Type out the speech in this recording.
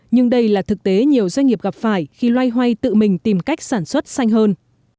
nhưng đây là thực tế nhiều doanh nghiệp gặp phải khi loay hoay tự mình tìm cách sản xuất xanh hơn